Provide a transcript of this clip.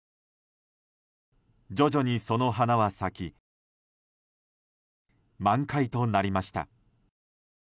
徐々にその花は咲き満開となりました。